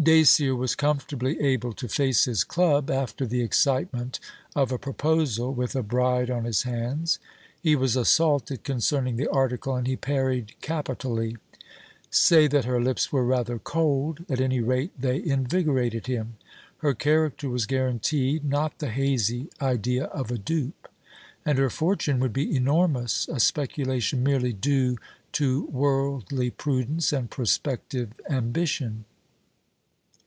Dacier was comfortably able to face his Club after the excitement of a proposal, with a bride on his hands. He was assaulted concerning the article, and he parried capitally. Say that her lips were rather cold: at any rate, they invigorated him. Her character was guaranteed not the hazy idea of a dupe. And her fortune would be enormous: a speculation merely due to worldly prudence and prospective ambition.